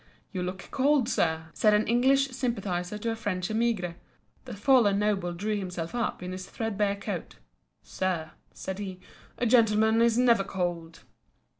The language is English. "You look cold, sir," said an English sympathizer to a French emigré. The fallen noble drew himself up in his threadbare coat. "Sir," said he, "a gentleman is never cold."